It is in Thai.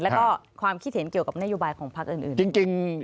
แล้วก็ความคิดเห็นเกี่ยวกับนโยบายของพักอื่นจริง